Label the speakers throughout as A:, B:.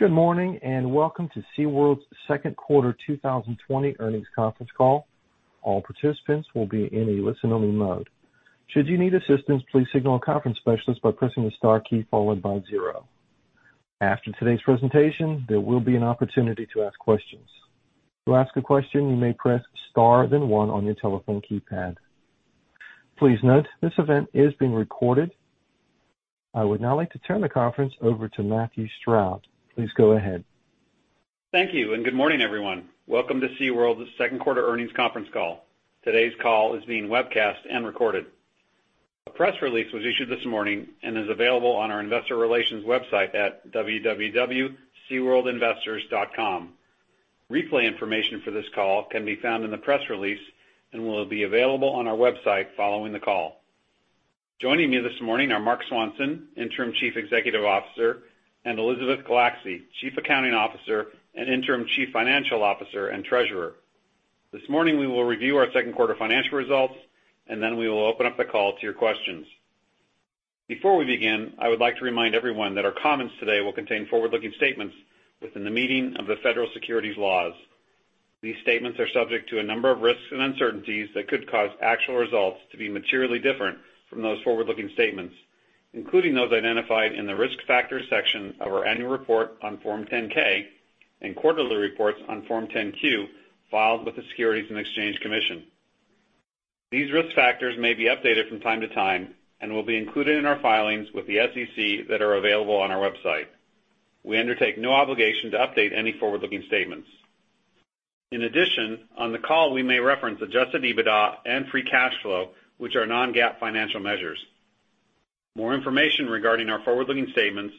A: Good morning, and welcome to SeaWorld's second quarter 2020 earnings conference call. All participants will be in a listen-only mode. Should you need assistance, please signal a conference specialist by pressing the star key followed by zero. After today's presentation, there will be an opportunity to ask questions. To ask a question, you may press star, then one on your telephone keypad. Please note, this event is being recorded. I would now like to turn the conference over to Matthew Stroud. Please go ahead.
B: Thank you, and good morning, everyone. Welcome to SeaWorld's second-quarter earnings conference call. Today's call is being webcast and recorded. A press release was issued this morning and is available on our investor relations website at www.seaworldinvestors.com. Replay information for this call can be found in the press release and will be available on our website following the call. Joining me this morning are Marc Swanson, Interim Chief Executive Officer, and Elizabeth Gulacsy, Chief Accounting Officer and Interim Chief Financial Officer and Treasurer. This morning, we will review our second quarter financial results, and then we will open up the call to your questions. Before we begin, I would like to remind everyone that our comments today will contain forward-looking statements within the meaning of the Federal Securities laws. These statements are subject to a number of risks and uncertainties that could cause actual results to be materially different from those forward-looking statements, including those identified in the Risk Factors section of our annual report on Form 10-K and quarterly reports on Form 10-Q filed with the Securities and Exchange Commission. These risk factors may be updated from time to time and will be included in our filings with the SEC that are available on our website. We undertake no obligation to update any forward-looking statements. In addition, on the call, we may reference Adjusted EBITDA and free cash flow, which are non-GAAP financial measures. More information regarding our forward-looking statements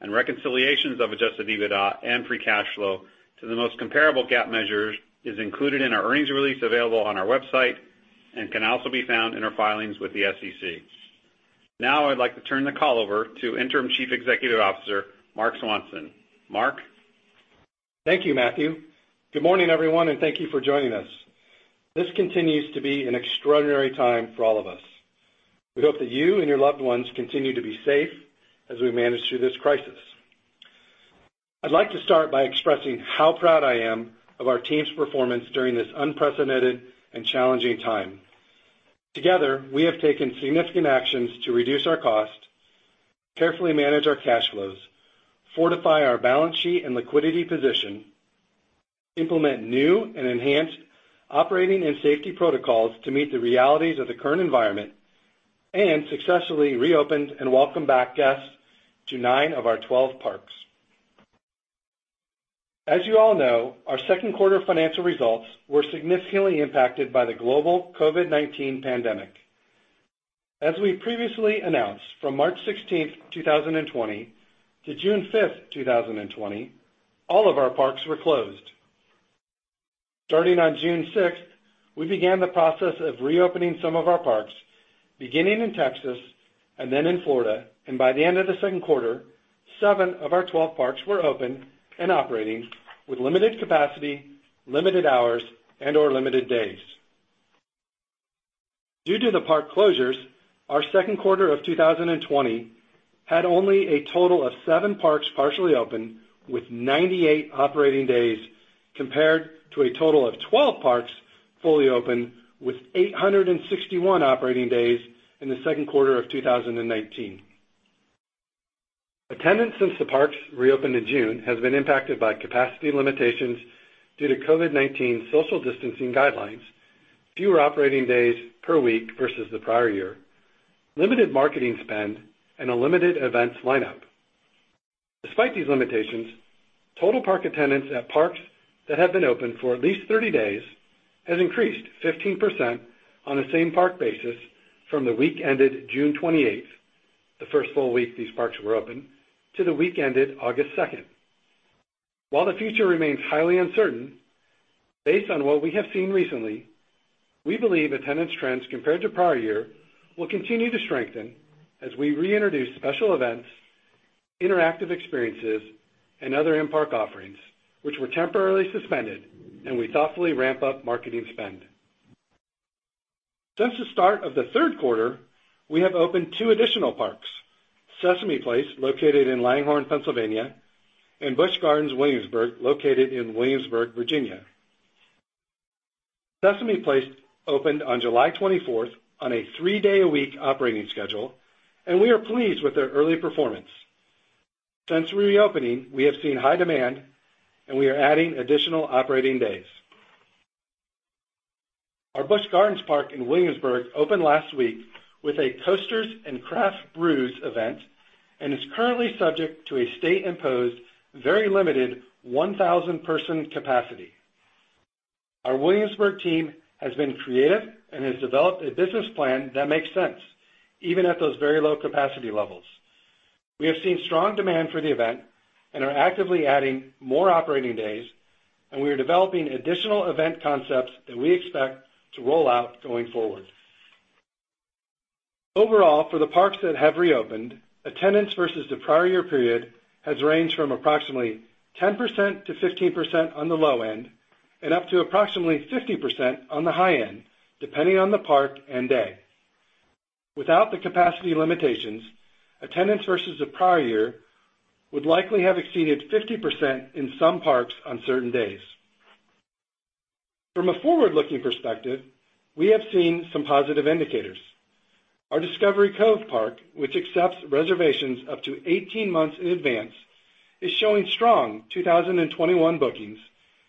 B: and reconciliations of Adjusted EBITDA and free cash flow to the most comparable GAAP measure is included in our earnings release available on our website and can also be found in our filings with the SEC. I'd like to turn the call over to Interim Chief Executive Officer, Marc Swanson. Marc?
C: Thank you, Matthew. Good morning, everyone, and thank you for joining us. This continues to be an extraordinary time for all of us. We hope that you and your loved ones continue to be safe as we manage through this crisis. I'd like to start by expressing how proud I am of our team's performance during this unprecedented and challenging time. Together, we have taken significant actions to reduce our cost, carefully manage our cash flows, fortify our balance sheet and liquidity position, implement new and enhanced operating and safety protocols to meet the realities of the current environment, and successfully reopened and welcomed back guests to nine of our 12 parks. As you all know, our second quarter financial results were significantly impacted by the global COVID-19 pandemic. As we previously announced, from March 16th, 2020, to June 5th, 2020, all of our parks were closed. Starting on June 6th, we began the process of reopening some of our parks, beginning in Texas and then in Florida, and by the end of the second quarter, seven of our 12 parks were open and operating with limited capacity, limited hours, and/or limited days. Due to the park closures, our second quarter of 2020 had only a total of seven parks partially open with 98 operating days compared to a total of 12 parks fully open with 861 operating days in the second quarter of 2019. Attendance since the parks reopened in June has been impacted by capacity limitations due to COVID-19 social distancing guidelines, fewer operating days per week versus the prior year, limited marketing spend, and a limited events lineup. Despite these limitations, total park attendance at parks that have been open for at least 30 days has increased 15% on a same-park basis from the week ended June 28th, the first full week these parks were open, to the week ended August 2nd. While the future remains highly uncertain, based on what we have seen recently, we believe attendance trends compared to prior year will continue to strengthen as we reintroduce special events, interactive experiences, and other in-park offerings, which were temporarily suspended and we thoughtfully ramp up marketing spend. Since the start of the third quarter, we have opened two additional parks, Sesame Place, located in Langhorne, Pennsylvania, and Busch Gardens Williamsburg, located in Williamsburg, Virginia. Sesame Place opened on July 24th on a three-day-a-week operating schedule, and we are pleased with their early performance. Since reopening, we have seen high demand, and we are adding additional operating days. Our Busch Gardens Park in Williamsburg opened last week with a Coasters and Craft Brews event and is currently subject to a state-imposed, very limited 1,000-person capacity. Our Williamsburg team has been creative and has developed a business plan that makes sense, even at those very low capacity levels. We have seen strong demand for the event and are actively adding more operating days, and we are developing additional event concepts that we expect to roll out going forward. Overall, for the parks that have reopened, attendance versus the prior year period has ranged from approximately 10%-15% on the low end and up to approximately 50% on the high end, depending on the park and day. Without the capacity limitations, attendance versus the prior year would likely have exceeded 50% in some parks on certain days. From a forward-looking perspective, we have seen some positive indicators. Our Discovery Cove, which accepts reservations up to 18 months in advance, is showing strong 2021 bookings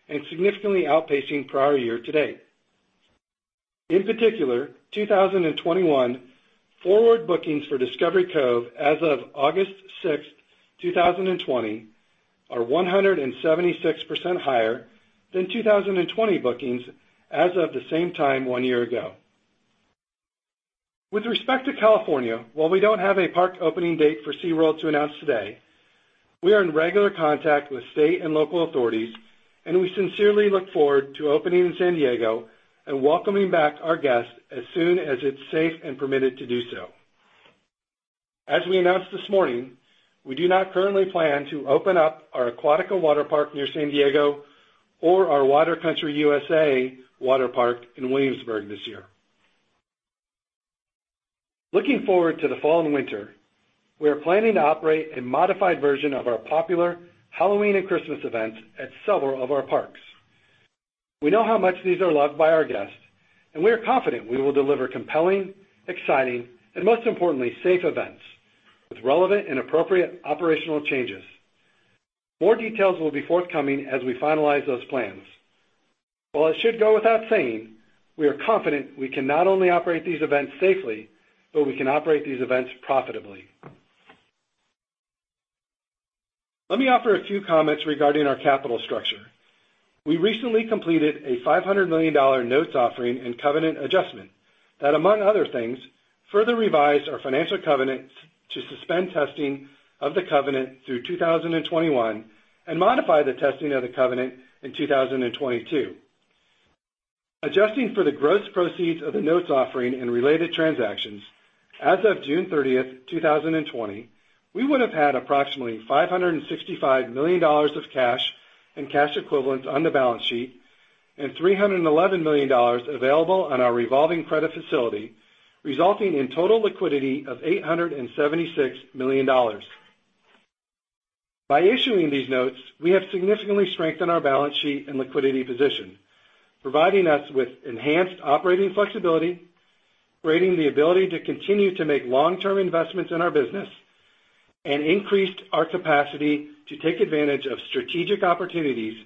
C: and significantly outpacing prior year to date. In particular, 2021 forward bookings for Discovery Cove as of August 6th, 2020, are 176% higher than 2020 bookings as of the same time one year ago. With respect to California, while we don't have a park opening date for SeaWorld to announce today, we are in regular contact with state and local authorities, and we sincerely look forward to opening in San Diego and welcoming back our guests as soon as it's safe and permitted to do so. As we announced this morning, we do not currently plan to open up our Aquatica water park near San Diego or our Water Country USA water park in Williamsburg this year. Looking forward to the fall and winter, we are planning to operate a modified version of our popular Halloween and Christmas events at several of our parks. We know how much these are loved by our guests, and we are confident we will deliver compelling, exciting, and most importantly, safe events with relevant and appropriate operational changes. More details will be forthcoming as we finalize those plans. While it should go without saying, we are confident we can not only operate these events safely, but we can operate these events profitably. Let me offer a few comments regarding our capital structure. We recently completed a $500 million notes offering and covenant adjustment that, among other things, further revised our financial covenants to suspend testing of the covenant through 2021 and modify the testing of the covenant in 2022. Adjusting for the gross proceeds of the notes offering and related transactions, as of June 30th, 2020, we would have had approximately $565 million of cash and cash equivalents on the balance sheet and $311 million available on our revolving credit facility, resulting in total liquidity of $876 million. By issuing these notes, we have significantly strengthened our balance sheet and liquidity position, providing us with enhanced operating flexibility, creating the ability to continue to make long-term investments in our business, and increased our capacity to take advantage of strategic opportunities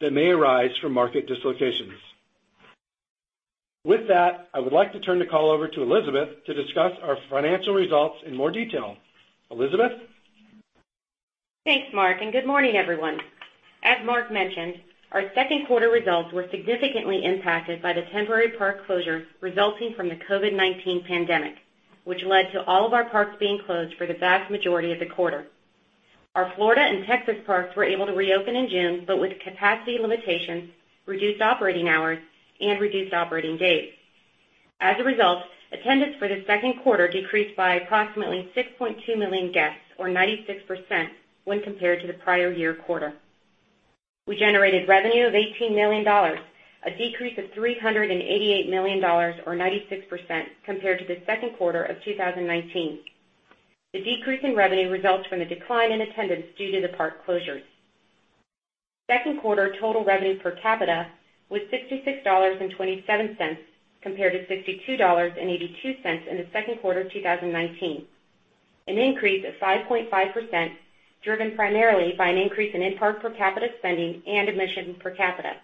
C: that may arise from market dislocations. With that, I would like to turn the call over to Elizabeth to discuss our financial results in more detail. Elizabeth?
D: Thanks, Marc, and good morning, everyone. As Marc mentioned, our second quarter results were significantly impacted by the temporary park closure resulting from the COVID-19 pandemic, which led to all of our parks being closed for the vast majority of the quarter. Our Florida and Texas parks were able to reopen in June, but with capacity limitations, reduced operating hours, and reduced operating days. As a result, attendance for the second quarter decreased by approximately 6.2 million guests, or 96%, when compared to the prior year quarter. We generated revenue of $18 million, a decrease of $388 million or 96% compared to the second quarter of 2019. The decrease in revenue results from the decline in attendance due to the park closures. Second quarter total revenue per capita was $66.27 compared to $62.82 in the second quarter of 2019, an increase of 5.5% driven primarily by an increase in in-park per capita spending and admissions per capita.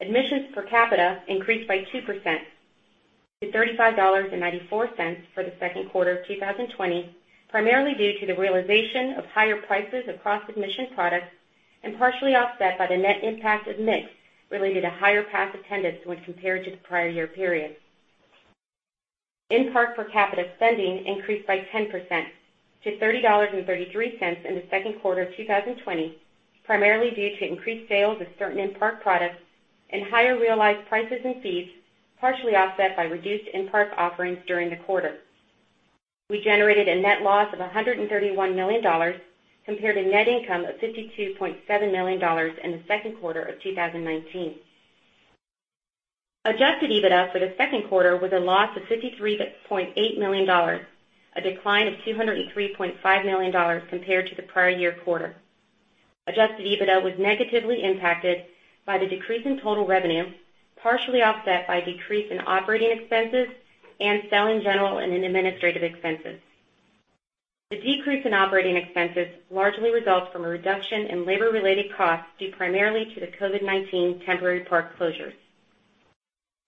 D: Admissions per capita increased by 2% to $35.94 for the second quarter of 2020, primarily due to the realization of higher prices across admission products and partially offset by the net impact of mix related to higher pass attendance when compared to the prior year period. In-park per capita spending increased by 10% to $30.33 in the second quarter of 2020, primarily due to increased sales of certain in-park products and higher realized prices and fees, partially offset by reduced in-park offerings during the quarter. We generated a net loss of $131 million compared to net income of $52.7 million in the second quarter of 2019. Adjusted EBITDA for the second quarter was a loss of $53.8 million, a decline of $203.5 million compared to the prior year quarter. Adjusted EBITDA was negatively impacted by the decrease in total revenue, partially offset by a decrease in operating expenses and selling, general and administrative expenses. The decrease in operating expenses largely result from a reduction in labor-related costs due primarily to the COVID-19 temporary park closures.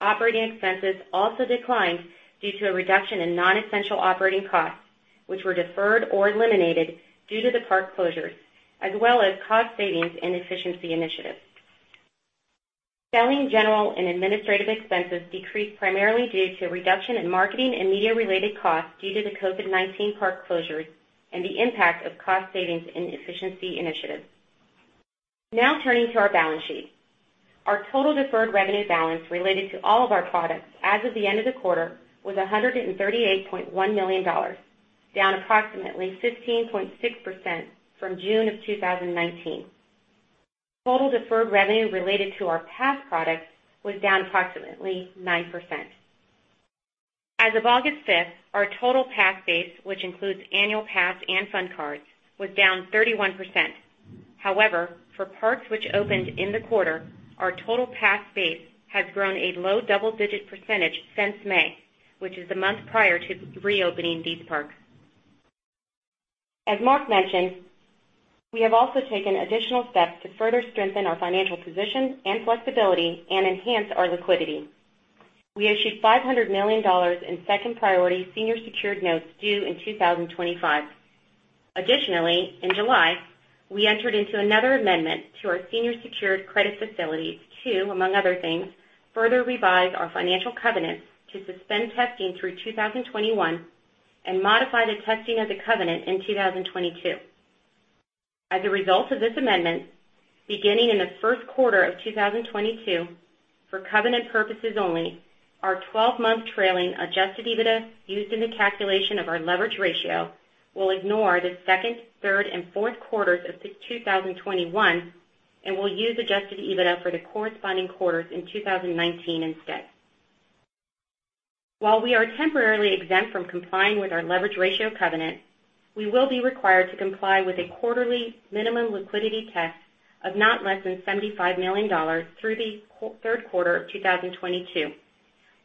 D: Operating expenses also declined due to a reduction in non-essential operating costs, which were deferred or eliminated due to the park closures, as well as cost savings and efficiency initiatives. Selling, general and administrative expenses decreased primarily due to a reduction in marketing and media-related costs due to the COVID-19 park closures and the impact of cost savings and efficiency initiatives. Now turning to our balance sheet. Our total deferred revenue balance related to all of our products as of the end of the quarter was $138.1 million, down approximately 15.6% from June of 2019. Total deferred revenue related to our pass products was down approximately 9%. As of August 5th, our total pass base, which includes annual pass and Fun Card, was down 31%. For parks which opened in the quarter, our total pass base has grown a low double-digit percentage since May, which is the month prior to reopening these parks. As Marc mentioned, we have also taken additional steps to further strengthen our financial position and flexibility and enhance our liquidity. We issued $500 million in second priority senior secured notes due in 2025. In July, we entered into another amendment to our senior secured credit facilities to, among other things, further revise our financial covenants to suspend testing through 2021 and modify the testing of the covenant in 2022. As a result of this amendment, beginning in the first quarter of 2022, for covenant purposes only, our 12-month trailing adjusted EBITDA used in the calculation of our leverage ratio will ignore the second, third and fourth quarters of 2021 and will use adjusted EBITDA for the corresponding quarters in 2019 instead. While we are temporarily exempt from complying with our leverage ratio covenant, we will be required to comply with a quarterly minimum liquidity test of not less than $75 million through the third quarter of 2022,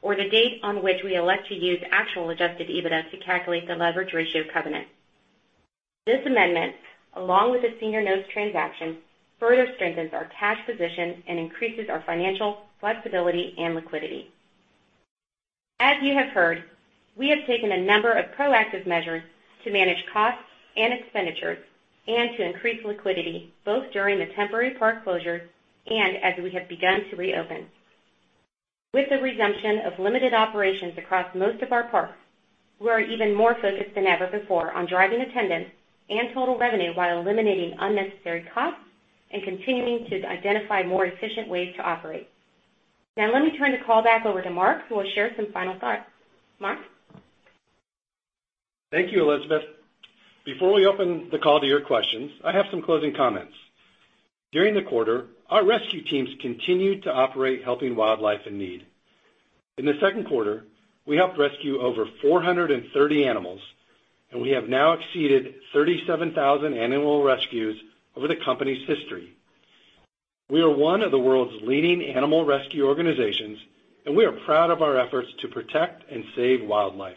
D: or the date on which we elect to use actual adjusted EBITDA to calculate the leverage ratio covenant. This amendment, along with the senior notes transaction, further strengthens our cash position and increases our financial flexibility and liquidity. As you have heard, we have taken a number of proactive measures to manage costs and expenditures and to increase liquidity both during the temporary park closures and as we have begun to reopen. With the resumption of limited operations across most of our parks, we are even more focused than ever before on driving attendance and total revenue while eliminating unnecessary costs and continuing to identify more efficient ways to operate. Now, let me turn the call back over to Marc, who will share some final thoughts. Marc?
C: Thank you, Elizabeth. Before we open the call to your questions, I have some closing comments. During the quarter, our rescue teams continued to operate helping wildlife in need. In the second quarter, we helped rescue over 430 animals, and we have now exceeded 37,000 animal rescues over the company's history. We are one of the world's leading animal rescue organizations, and we are proud of our efforts to protect and save wildlife.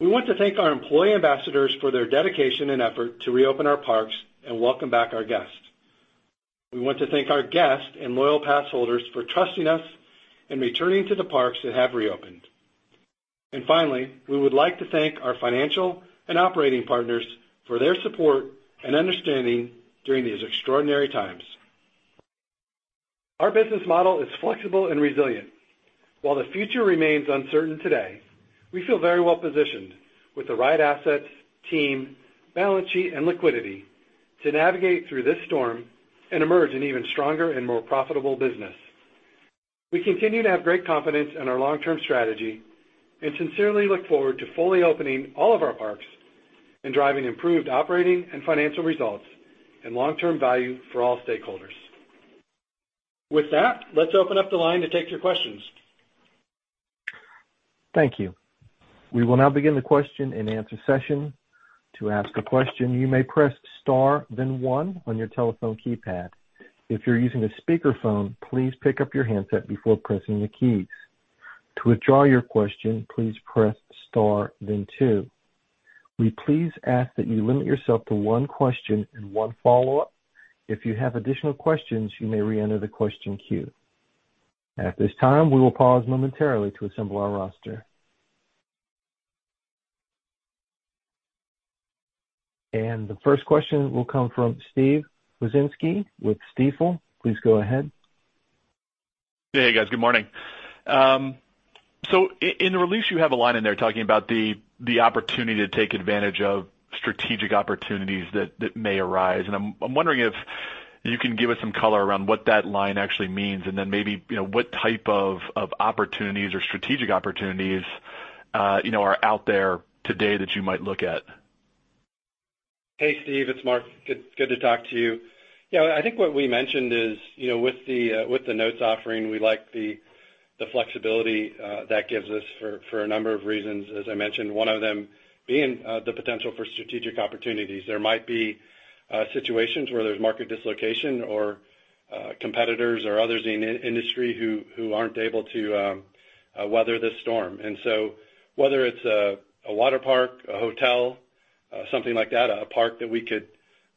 C: We want to thank our employee ambassadors for their dedication and effort to reopen our parks and welcome back our guests. We want to thank our guests and loyal pass holders for trusting us and returning to the parks that have reopened. Finally, we would like to thank our financial and operating partners for their support and understanding during these extraordinary times. Our business model is flexible and resilient. While the future remains uncertain today, we feel very well-positioned, with the right assets, team, balance sheet and liquidity to navigate through this storm and emerge an even stronger and more profitable business. We continue to have great confidence in our long-term strategy and sincerely look forward to fully opening all of our parks and driving improved operating and financial results and long-term value for all stakeholders. With that, let's open up the line to take your questions.
A: Thank you. We will now begin the question-and-answer session. To ask a question, you may press star then one on your telephone keypad. If you're using a speakerphone, please pick up your handset before pressing the keys. To withdraw your question, please press star then two. We please ask that you limit yourself to one question and one follow-up. If you have additional questions, you may reenter the question queue. At this time, we will pause momentarily to assemble our roster. The first question will come from Steve Wieczynski with Stifel. Please go ahead.
E: Hey, guys. Good morning. In the release, you have a line in there talking about the opportunity to take advantage of strategic opportunities that may arise, and I'm wondering if you can give us some color around what that line actually means, and then maybe what type of opportunities or strategic opportunities are out there today that you might look at.
C: Hey, Steve. It's Marc. Good to talk to you. Yeah, I think what we mentioned is, with the notes offering, we like the flexibility that gives us for a number of reasons, as I mentioned, one of them being the potential for strategic opportunities. There might be situations where there's market dislocation or competitors or others in the industry who aren't able to weather this storm. Whether it's a waterpark, a hotel, something like that, a park that we could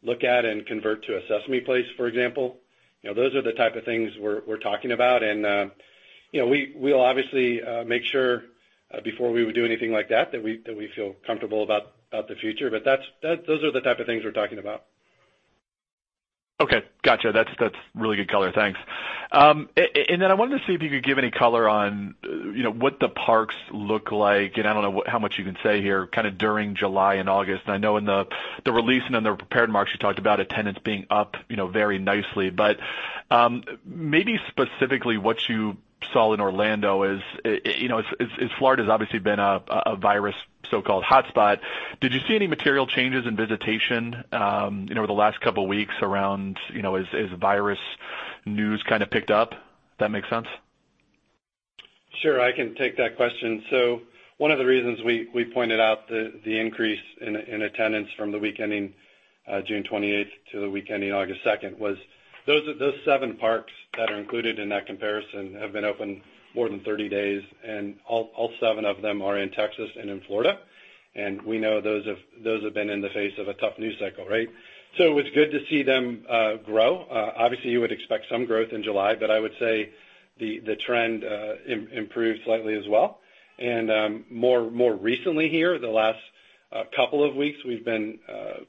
C: look at and convert to a Sesame Place, for example, those are the type of things we're talking about. We'll obviously make sure before we would do anything like that we feel comfortable about the future. Those are the type of things we're talking about.
E: Okay, got you. That's really good color. Thanks. I wanted to see if you could give any color on what the parks look like, and I don't know how much you can say here, kind of during July and August. I know in the release and in the prepared, Marc, you talked about attendance being up very nicely. Maybe specifically what you saw in Orlando is, as Florida's obviously been a virus so-called hotspot, did you see any material changes in visitation over the last couple weeks around as virus news kind of picked up? Does that make sense?
C: Sure. I can take that question. One of the reasons we pointed out the increase in attendance from the week ending June 28th to the week ending August 2nd was those seven parks that are included in that comparison have been open more than 30 days, and all seven of them are in Texas and in Florida. We know those have been in the face of a tough news cycle, right? It was good to see them grow. Obviously, you would expect some growth in July, but I would say the trend improved slightly as well. More recently here, the last couple of weeks, we've been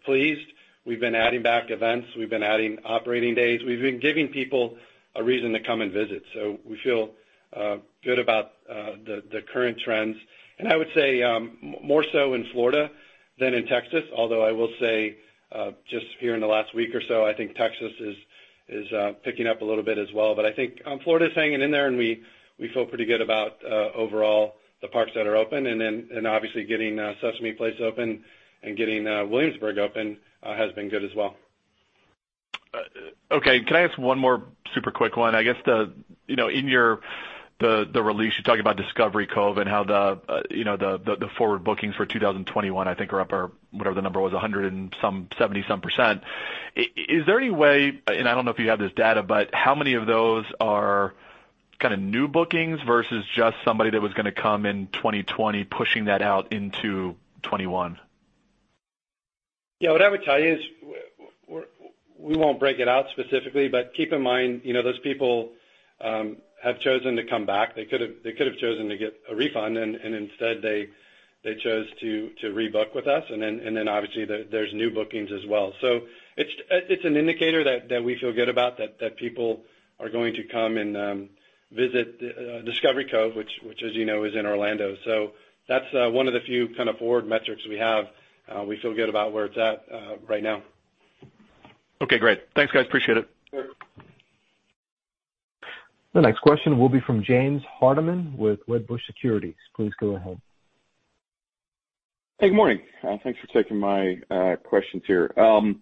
C: pleased. We've been adding back events. We've been adding operating days. We've been giving people a reason to come and visit. We feel good about the current trends and I would say more so in Florida than in Texas, although I will say, just here in the last week or so, I think Texas is picking up a little bit as well. I think Florida's hanging in there, and we feel pretty good about overall the parks that are open, obviously getting Sesame Place open and getting Williamsburg open has been good as well.
E: Okay. Can I ask one more super quick one? I guess in the release, you talk about Discovery Cove and how the forward bookings for 2021, I think are up or whatever the number was, 100 and some 70%. Is there any way, and I don't know if you have this data, but how many of those are kind of new bookings versus just somebody that was going to come in 2020 pushing that out into 2021?
C: What I would tell you is we won't break it out specifically, but keep in mind, those people have chosen to come back. They could've chosen to get a refund, and instead they chose to rebook with us. Obviously, there's new bookings as well. It's an indicator that we feel good about, that people are going to come and visit Discovery Cove, which as you know, is in Orlando. That's one of the few kind of forward metrics we have. We feel good about where it's at right now.
E: Okay, great. Thanks, guys. Appreciate it.
C: Sure.
A: The next question will be from James Hardiman with Wedbush Securities. Please go ahead.
F: Hey, good morning. Thanks for taking my questions here. I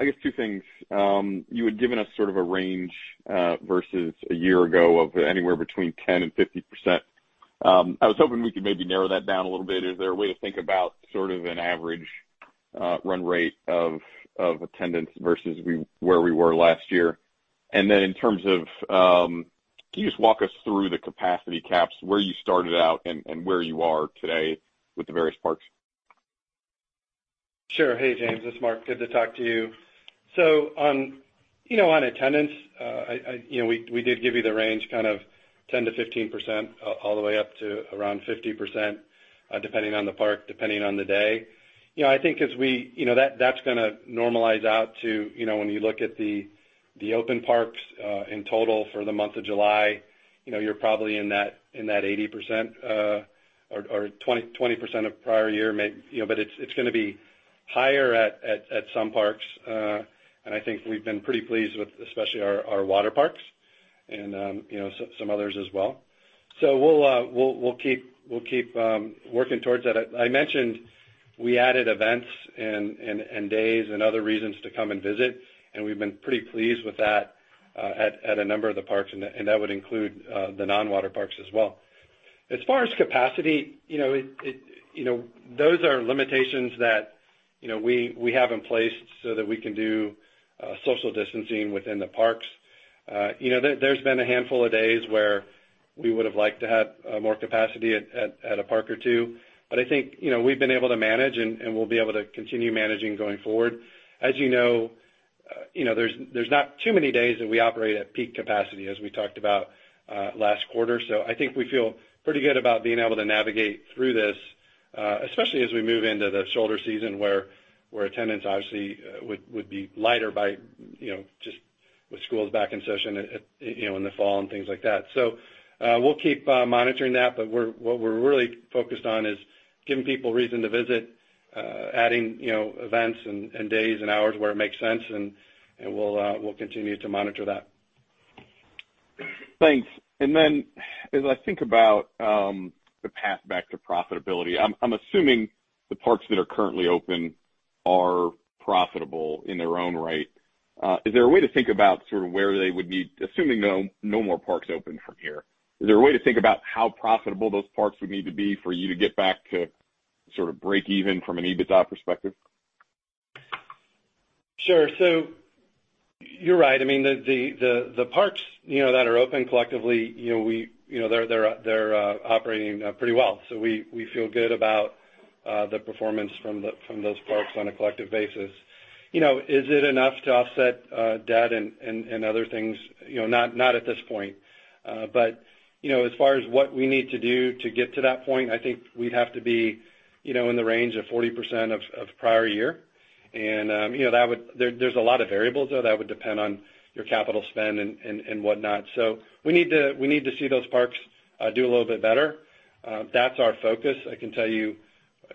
F: guess two things. You had given us sort of a range, versus a year ago of anywhere between 10% and 50%. I was hoping we could maybe narrow that down a little bit. Is there a way to think about sort of an average run rate of attendance versus where we were last year? In terms of, can you just walk us through the capacity caps, where you started out and where you are today with the various parks?
C: Sure. Hey, James. It's Marc. Good to talk to you. On attendance, we did give you the range, kind of 10%-15% all the way up to around 50%, depending on the park, depending on the day. I think that's gonna normalize out to when you look at the open parks in total for the month of July, you're probably in that 18% or 20% of prior year maybe. It's gonna be higher at some parks. I think we've been pretty pleased with especially our water parks and some others as well. We'll keep working towards that. I mentioned we added events and days and other reasons to come and visit, and we've been pretty pleased with that at a number of the parks, and that would include the non-water parks as well. As far as capacity, those are limitations that we have in place so that we can do social distancing within the parks. There's been a handful of days where we would've liked to have more capacity at a park or two, but I think we've been able to manage, and we'll be able to continue managing going forward. As you know, there's not too many days that we operate at peak capacity, as we talked about last quarter. I think we feel pretty good about being able to navigate through this, especially as we move into the shoulder season, where attendance obviously would be lighter with schools back in session in the fall and things like that. We'll keep monitoring that, but what we're really focused on is giving people reason to visit, adding events and days and hours where it makes sense, and we'll continue to monitor that.
F: Thanks. As I think about the path back to profitability, I'm assuming the parks that are currently open are profitable in their own right. Is there a way to think about sort of where they would need, assuming no more parks open from here, is there a way to think about how profitable those parks would need to be for you to get back to sort of break even from an EBITDA perspective?
C: Sure. You're right. I mean, the parks that are open collectively, they're operating pretty well. We feel good about the performance from those parks on a collective basis. Is it enough to offset debt and other things? Not at this point. As far as what we need to do to get to that point, I think we'd have to be in the range of 40% of prior year. There's a lot of variables, though, that would depend on your capital spend and whatnot. We need to see those parks do a little bit better. That's our focus, I can tell you.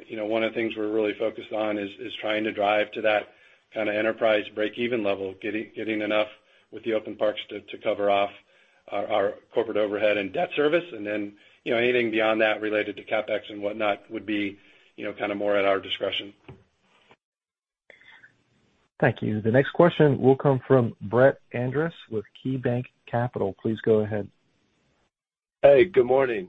C: One of the things we're really focused on is trying to drive to that kind of enterprise breakeven level, getting enough with the open parks to cover off our corporate overhead and debt service. Anything beyond that related to CapEx and whatnot would be more at our discretion.
A: Thank you. The next question will come from Brett Andress with KeyBanc Capital. Please go ahead.
G: Hey, good morning.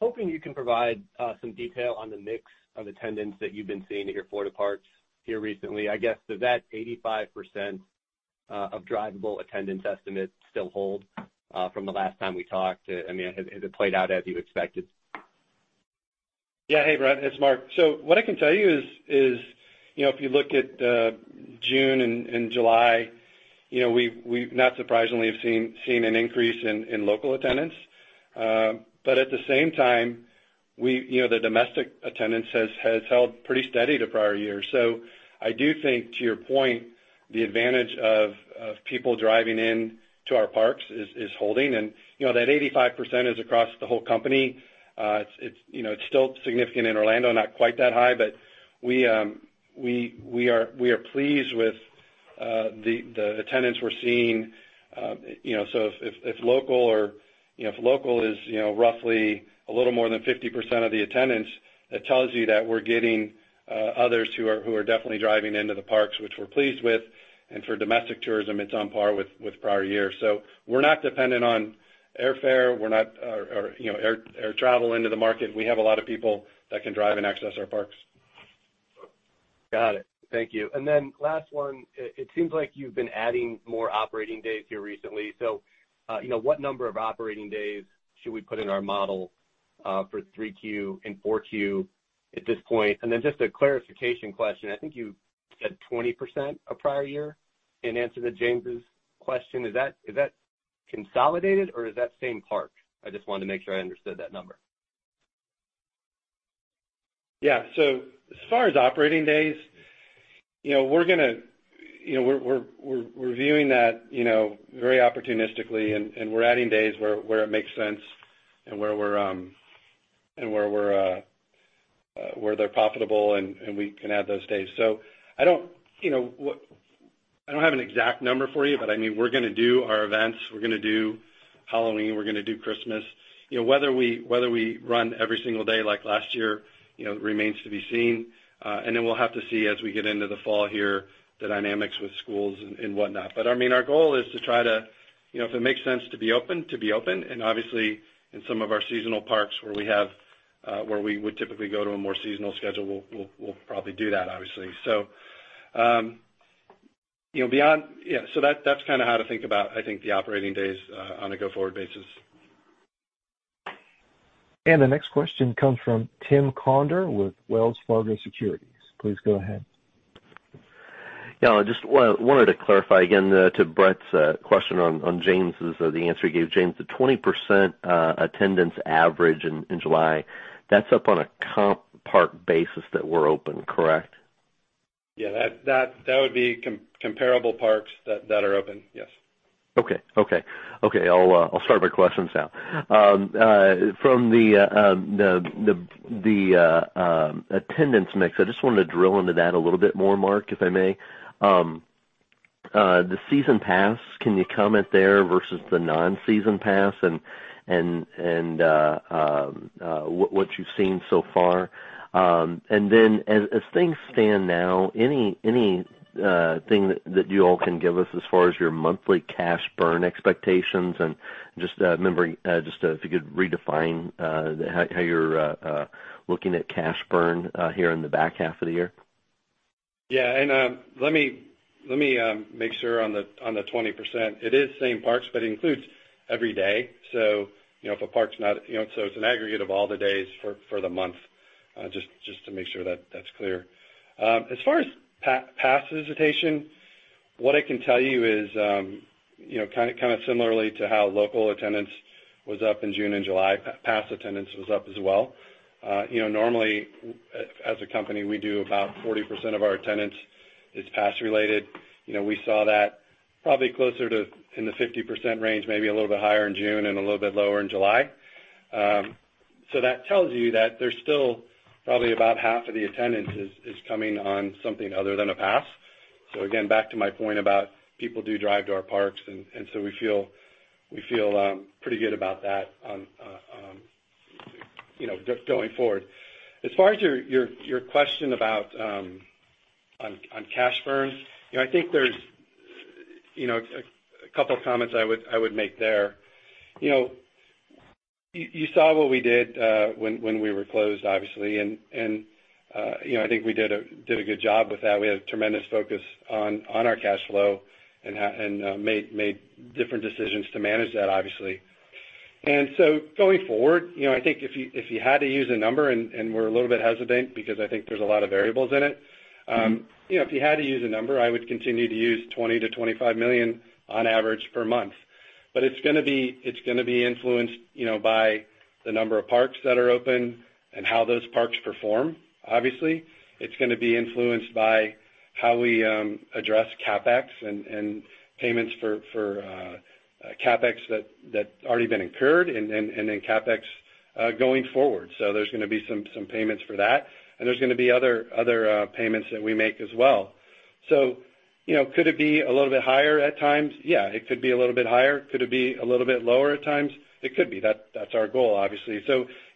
G: Hoping you can provide some detail on the mix of attendance that you've been seeing at your Florida parks here recently. I guess, does that 85% of drivable attendance estimate still hold from the last time we talked? Has it played out as you expected?
C: Hey, Brett. It's Marc. What I can tell you is, if you look at June and July, we not surprisingly have seen an increase in local attendance. At the same time, the domestic attendance has held pretty steady to prior years. I do think, to your point, the advantage of people driving into our parks is holding. That 85% is across the whole company. It's still significant in Orlando, not quite that high, but we are pleased with the attendance we're seeing. If local is roughly a little more than 50% of the attendance, that tells you that we're getting others who are definitely driving into the parks, which we're pleased with. For domestic tourism, it's on par with prior years. We're not dependent on airfare or air travel into the market. We have a lot of people that can drive and access our parks.
G: Got it. Thank you. Last one, it seems like you've been adding more operating days here recently. What number of operating days should we put in our model for 3Q and 4Q at this point? Just a clarification question. I think you said 20% of prior year in answer to James's question. Is that consolidated or is that same park? I just wanted to make sure I understood that number.
C: As far as operating days, we're reviewing that very opportunistically, and we're adding days where it makes sense and where they're profitable, and we can add those days. I don't have an exact number for you, but we're going to do our events. We're going to do Halloween, we're going to do Christmas. Whether we run every single day like last year, remains to be seen. Then we'll have to see as we get into the fall here, the dynamics with schools and whatnot. Our goal is to try to, if it makes sense to be open, to be open. Obviously, in some of our seasonal parks where we would typically go to a more seasonal schedule, we'll probably do that, obviously. That's kind of how to think about, I think, the operating days on a go-forward basis.
A: The next question comes from Tim Conder with Wells Fargo Securities. Please go ahead.
H: Just wanted to clarify again to Brett's question on James's, the answer you gave James, the 20% attendance average in July, that's up on a comp park basis that were open, correct?
C: Yeah, that would be comparable parks that are open. Yes.
H: Okay. I'll start my questions now. From the attendance mix, I just wanted to drill into that a little bit more, Marc, if I may. The season pass, can you comment there versus the non-season pass and what you've seen so far? As things stand now, anything that you all can give us as far as your monthly cash burn expectations and just remembering, if you could redefine, how you're looking at cash burn here in the back half of the year.
C: Let me make sure on the 20%, it is same parks, but it includes every day. It's an aggregate of all the days for the month, just to make sure that's clear. As far as pass visitation, what I can tell you is, kind of similarly to how local attendance was up in June and July, pass attendance was up as well. Normally, as a company, we do about 40% of our attendance is pass-related. We saw that probably closer to in the 50% range, maybe a little bit higher in June and a little bit lower in July. That tells you that there's still probably about half of the attendance is coming on something other than a pass. Again, back to my point about people do drive to our parks, and so we feel pretty good about that going forward. As far as your question about on cash burn, I think there's a couple of comments I would make there. You saw what we did when we were closed, obviously. I think we did a good job with that. We had a tremendous focus on our cash flow and made different decisions to manage that, obviously. Going forward, I think if you had to use a number, and we're a little bit hesitant because I think there's a lot of variables in it. If you had to use a number, I would continue to use $20 million-$25 million on average per month. It's going to be influenced by the number of parks that are open and how those parks perform. Obviously, it's going to be influenced by how we address CapEx and payments for CapEx that's already been incurred, and then CapEx going forward. There's going to be some payments for that, and there's going to be other payments that we make as well. Could it be a little bit higher at times? Yeah, it could be a little bit higher. Could it be a little bit lower at times? It could be. That's our goal, obviously.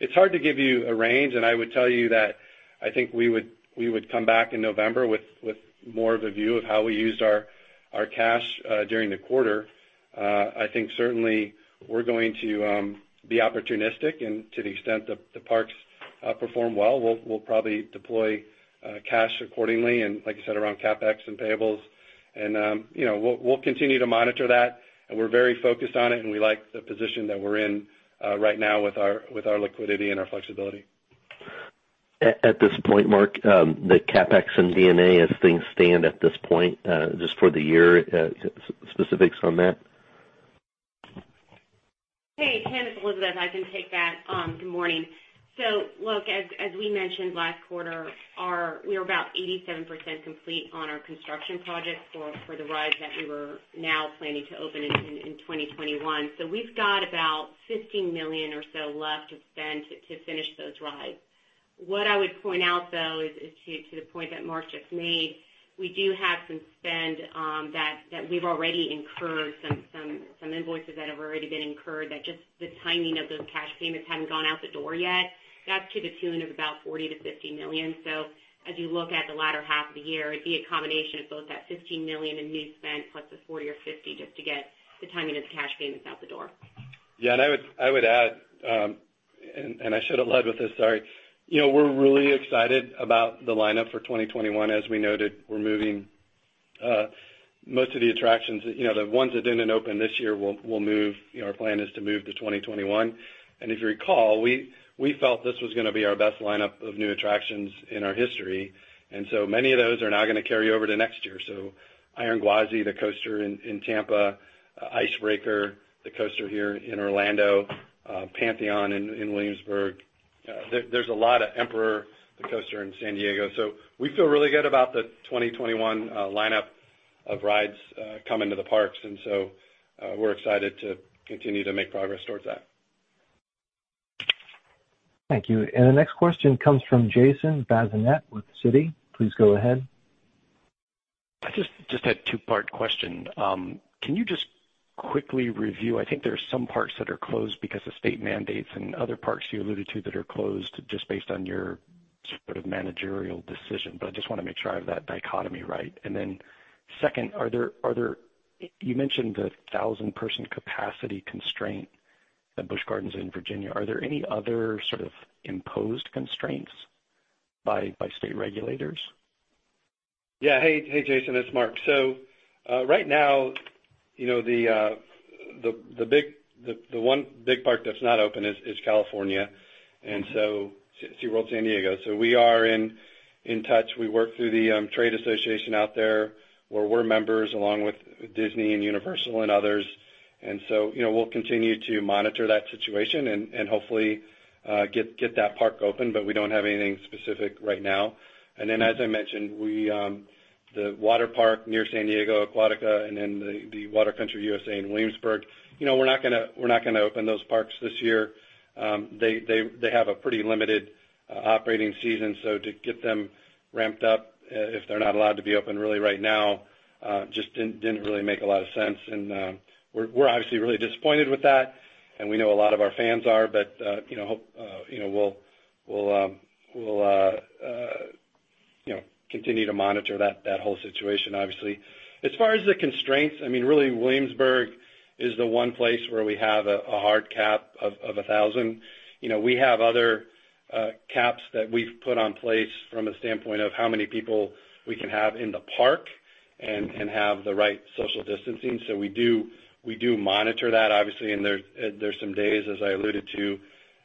C: It's hard to give you a range, and I would tell you that I think we would come back in November with more of a view of how we used our cash during the quarter. I think certainly we're going to be opportunistic and to the extent the parks perform well, we'll probably deploy cash accordingly, and like I said, around CapEx and payables. We'll continue to monitor that, and we're very focused on it, and we like the position that we're in right now with our liquidity and our flexibility.
H: At this point, Marc, the CapEx and D&A as things stand at this point, just for the year, specifics on that?
D: Hey, Tim, it's Elizabeth. I can take that. Good morning. Look, as we mentioned last quarter, we are about 87% complete on our construction projects for the rides that we were now planning to open in 2021. We've got about $15 million or so left to spend to finish those rides. What I would point out, though, is to the point that Marc just made, we do have some spend that we've already incurred some invoices that have already been incurred that just the timing of those cash payments haven't gone out the door yet. That's to the tune of about $40 million-$50 million. As you look at the latter half of the year, it'd be a combination of both that $15 million in new spend plus the $40 or $50 just to get the timing of the cash payments out the door.
C: I would add, and I should have led with this, sorry. We're really excited about the lineup for 2021. As we noted, we're moving most of the attractions. The ones that didn't open this year, our plan is to move to 2021. If you recall, we felt this was going to be our best lineup of new attractions in our history. Many of those are now going to carry over to next year. Iron Gwazi, the coaster in Tampa, Ice Breaker, the coaster here in Orlando, Pantheon in Williamsburg. There's a lot of Emperor, the coaster in San Diego. We feel really good about the 2021 lineup of rides coming to the parks, and we're excited to continue to make progress towards that.
A: Thank you. The next question comes from Jason Bazinet with Citi. Please go ahead.
I: I just had a two-part question. Can you just quickly review, I think there are some parks that are closed because of state mandates and other parks you alluded to that are closed just based on your sort of managerial decision, but I just want to make sure I have that dichotomy right. Second, you mentioned the 1,000-person capacity constraint at Busch Gardens in Virginia. Are there any other sort of imposed constraints by state regulators?
C: Yeah. Hey, Jason, it's Marc. Right now, the one big park that's not open is California. SeaWorld San Diego. We are in touch. We work through the trade association out there, where we're members along with Disney and Universal and others. We'll continue to monitor that situation and hopefully get that park open, but we don't have anything specific right now. As I mentioned, the water park near San Diego, Aquatica, and then the Water Country USA in Williamsburg. We're not going to open those parks this year. They have a pretty limited operating season, so to get them ramped up if they're not allowed to be open really right now, just didn't really make a lot of sense. We're obviously really disappointed with that, and we know a lot of our fans are, but we'll continue to monitor that whole situation, obviously. As far as the constraints, really Williamsburg is the one place where we have a hard cap of 1,000. We have other caps that we've put on place from a standpoint of how many people we can have in the park and have the right social distancing. We do monitor that, obviously, and there's some days, as I alluded to,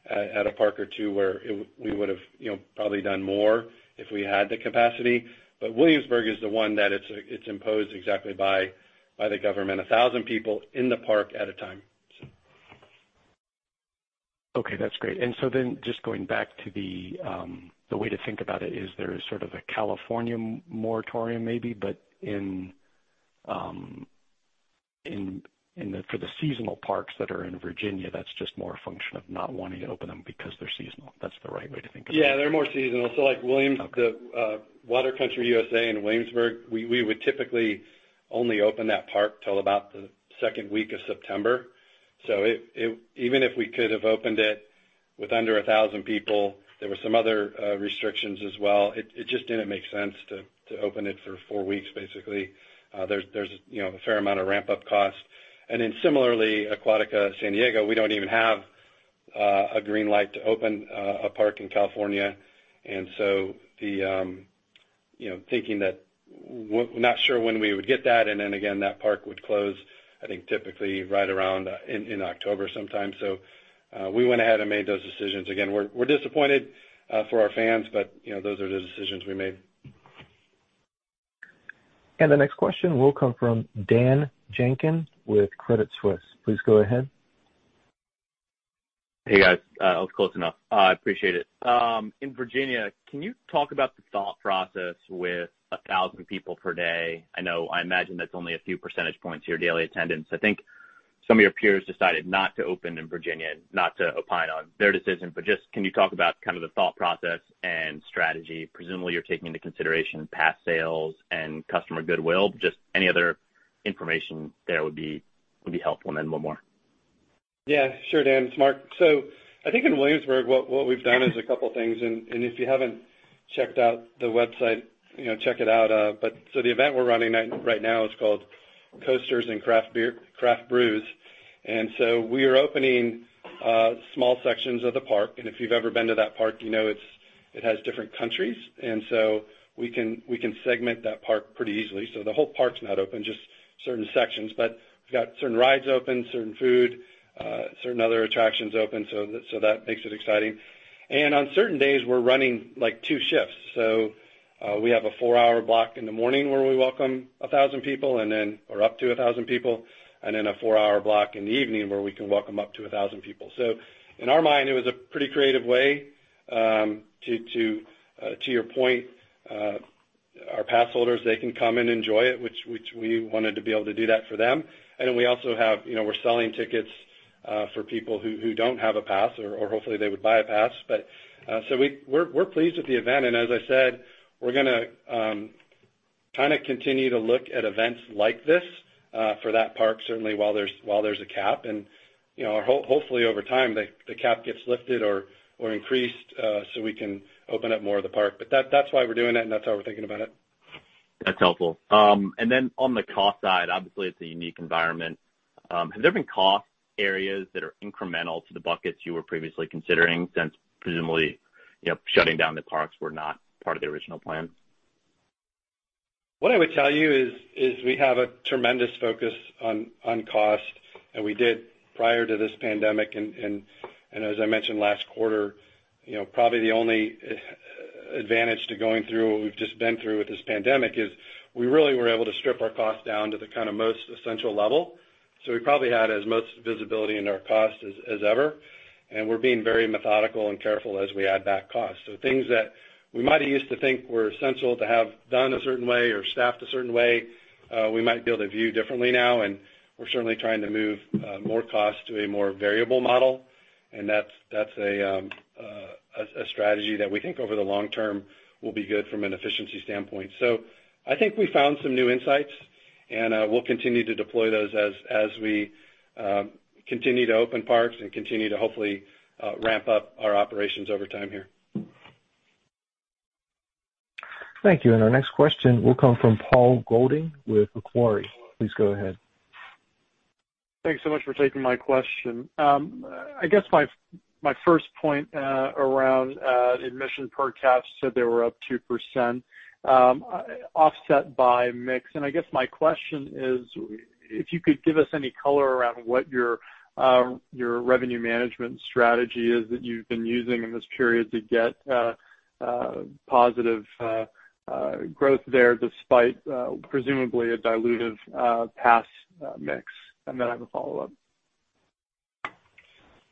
C: at a park or two where we would have probably done more if we had the capacity. Williamsburg is the one that it's imposed exactly by the government, 1,000 people in the park at a time.
I: Okay, that's great. Just going back to the way to think about it is there is sort of a California moratorium maybe, but for the seasonal parks that are in Virginia, that's just more a function of not wanting to open them because they're seasonal. That's the right way to think about it?
C: Yeah, they're more seasonal. Like Water Country USA in Williamsburg, we would typically only open that park till about the second week of September. Even if we could have opened it with under 1,000 people, there were some other restrictions as well. It just didn't make sense to open it for four weeks, basically. There's a fair amount of ramp-up costs. Similarly, Aquatica, San Diego, we don't even have a green light to open a park in California. Thinking that we're not sure when we would get that, and then again, that park would close, I think, typically right around in October sometime. We went ahead and made those decisions. Again, we're disappointed for our fans, but those are the decisions we made.
A: The next question will come from Dan Jenkin with Credit Suisse. Please go ahead.
J: Hey guys, I was close enough. I appreciate it. In Virginia, can you talk about the thought process with 1,000 people per day? I imagine that's only a few percentage points of your daily attendance. I think some of your peers decided not to open in Virginia, not to opine on their decision, but just can you talk about the thought process and strategy? Presumably, you're taking into consideration past sales and customer goodwill. Just any other information there would be helpful. One more.
C: Yeah, sure, Dan. It's Marc. I think in Williamsburg, what we've done is a couple things, and if you haven't checked out the website, check it out. The event we're running right now is called Coasters and Craft Brews. We are opening small sections of the park, and if you've ever been to that park, you know it has different countries. We can segment that park pretty easily. The whole park's not open, just certain sections. We've got certain rides open, certain food, certain other attractions open, so that makes it exciting. On certain days, we're running two shifts. We have a four-hour block in the morning where we welcome 1,000 people or up to 1,000 people, then a four-hour block in the evening where we can welcome up to 1,000 people. In our mind, it was a pretty creative way. To your point, our pass holders, they can come and enjoy it, which we wanted to be able to do that for them. We're selling tickets for people who don't have a pass, or hopefully they would buy a pass. We're pleased with the event. As I said, we're going to kind of continue to look at events like this for that park, certainly while there's a cap. Hopefully over time, the cap gets lifted or increased so we can open up more of the park. That's why we're doing it, and that's how we're thinking about it.
J: That's helpful. On the cost side, obviously, it's a unique environment. Have there been cost areas that are incremental to the buckets you were previously considering, since presumably shutting down the parks were not part of the original plan?
C: What I would tell you is we have a tremendous focus on cost, and we did prior to this pandemic. As I mentioned last quarter, probably the only advantage to going through what we've just been through with this pandemic is we really were able to strip our costs down to the kind of most essential level. We probably had as much visibility in our cost as ever, and we're being very methodical and careful as we add back costs. Things that we might have used to think were essential to have done a certain way or staffed a certain way, we might be able to view differently now. We're certainly trying to move more cost to a more variable model, and that's a strategy that we think over the long term will be good from an efficiency standpoint. I think we found some new insights, and we'll continue to deploy those as we continue to open parks and continue to hopefully ramp up our operations over time here.
A: Thank you. Our next question will come from Paul Golding with Macquarie. Please go ahead.
K: Thanks so much for taking my question. I guess my first point around admissions per capita, they were up 2% offset by mix. I guess my question is, if you could give us any color around what your revenue management strategy is that you've been using in this period to get positive growth there, despite presumably a dilutive pass mix. I have a follow-up.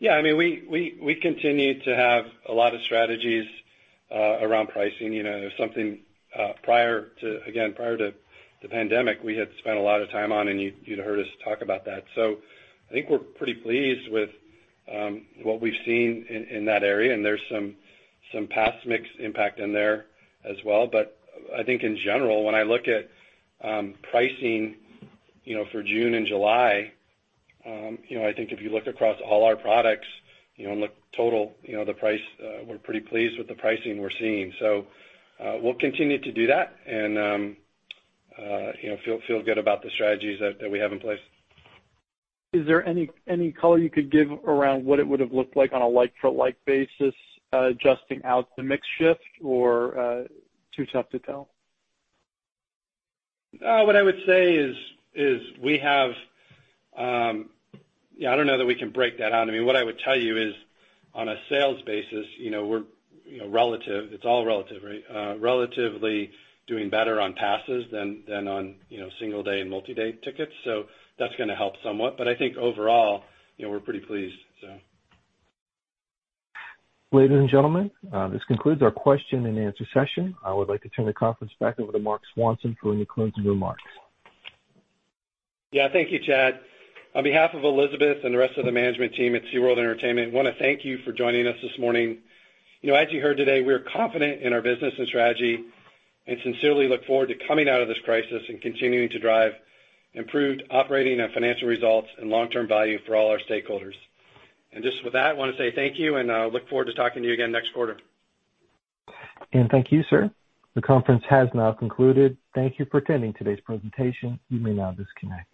C: We continue to have a lot of strategies around pricing. There's something, again, prior to the pandemic, we had spent a lot of time on, and you'd have heard us talk about that. I think we're pretty pleased with what we've seen in that area, and there's some pass mix impact in there as well. I think in general, when I look at pricing for June and July, I think if you look across all our products, and look total, the price, we're pretty pleased with the pricing we're seeing. We'll continue to do that and feel good about the strategies that we have in place.
K: Is there any color you could give around what it would have looked like on a like-for-like basis adjusting out the mix shift, or too tough to tell?
C: What I would say is I don't know that we can break that out. What I would tell you is on a sales basis, we're relative. It's all relative, right? Relatively doing better on passes than on single-day and multi-day tickets. That's going to help somewhat. I think overall, we're pretty pleased so.
A: Ladies and gentlemen, this concludes our question and answer session. I would like to turn the conference back over to Marc Swanson for any closing remarks.
C: Yeah. Thank you, Chad. On behalf of Elizabeth and the rest of the management team at SeaWorld Entertainment, I want to thank you for joining us this morning. As you heard today, we are confident in our business and strategy and sincerely look forward to coming out of this crisis and continuing to drive improved operating and financial results and long-term value for all our stakeholders. Just with that, I want to say thank you and look forward to talking to you again next quarter.
A: Thank you, sir. The conference has now concluded. Thank you for attending today's presentation. You may now disconnect.